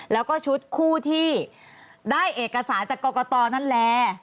แล้วก็ชุดคู่ที่ได้เอกสารจากกรกตนั่นแหละ